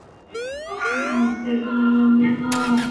Si un jugador pasa, nunca puede hacer una declaración este juego.